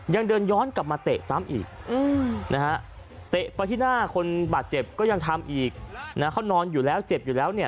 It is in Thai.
ยังเดินย้อนกลับมาเตะซ้ำอีกนะฮะเตะไปที่หน้าคนบาดเจ็บก็ยังทำอีกนะเขานอนอยู่แล้วเจ็บอยู่แล้วเนี่ย